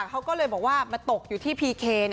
เขาก็เลยบอกว่ามาตกอยู่ที่พีเค